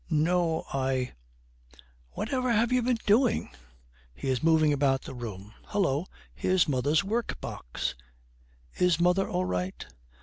'No, I ' 'Whatever have you been doing?' He is moving about the room. 'Hullo, here's mother's work box! Is mother all right?'